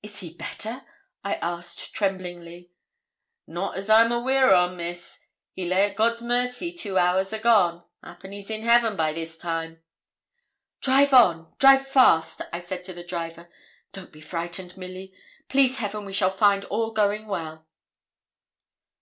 'Is he better?' I asked, tremblingly. 'Not as I'm aweer on, Miss; he lay at God's mercy two hours agone; 'appen he's in heaven be this time.' 'Drive on drive fast,' I said to the driver. 'Don't be frightened, Milly; please Heaven we shall find all going well.'